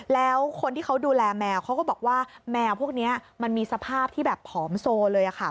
แล้วคนที่เขาดูแลแมวเขาก็บอกว่าแมวพวกนี้มันมีสภาพที่แบบผอมโซเลยค่ะ